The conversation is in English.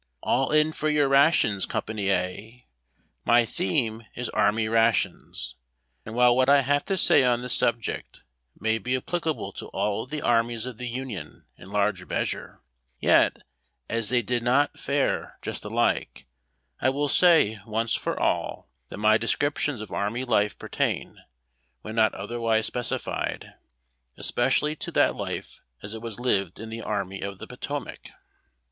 ALL in for your rations, Company A !" My theme is Army Rations. And while what I have to say on this subject may be applicable to all of the armies of the Union in large measure, yet, as they did not fare just alike, I will say, once for all, that my descriptions of army life pertain, when not otherwise speci fied, especially to that life as it was lived in the Army of the Potomac.